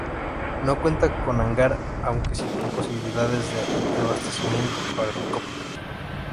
No cuenta con hangar, aunque sí con posibilidades de reabastecimiento para helicópteros.